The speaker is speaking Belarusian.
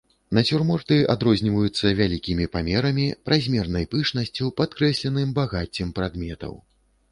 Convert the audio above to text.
Нацюрморты адрозніваюцца вялікімі памерамі, празмернай пышнасцю, падкрэсленым багаццем прадметаў.